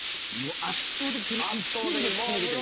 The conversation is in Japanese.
圧倒的それ一点で突き抜けてる。